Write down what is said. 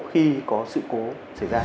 khi có sự cố xảy ra